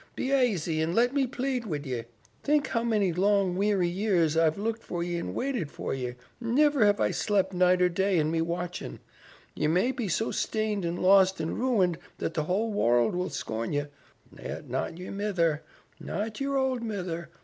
Be aisy and let me plead wid ye. Think how many long, weary years I've looked for ye and waited for ye. Niver have I slept night or day in me watchin'. Ye may be so stained an' lost an' ruined that the whole wourld will scorn ye, yet not yer mither, not yer ould mither.